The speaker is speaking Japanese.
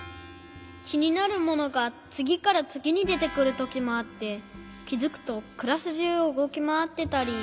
きになるものがつぎからつぎにでてくるときもあってきづくとクラスじゅうをうごきまわってたり。